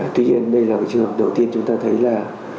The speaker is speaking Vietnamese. tuy nhiên đây là trường hợp đầu tiên chúng ta thấy là